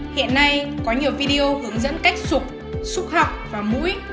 hiện nay có nhiều video hướng dẫn cách xúc xúc họng và mũi